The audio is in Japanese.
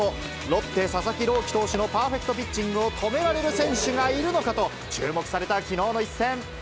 ロッテ、佐々木朗希投手のパーフェクトピッチングを止められる選手がいるのかと、注目されたきのうの一戦。